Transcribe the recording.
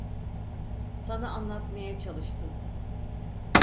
Sana anlatmaya çalıştım.